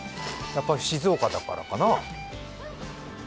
やっぱり静岡だからかな。